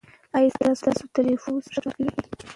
ایا ستاسو ټلېفون اوس هم ښه کار کوي؟